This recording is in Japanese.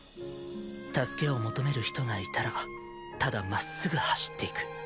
助けを求める人がいたらただまっすぐ走っていく。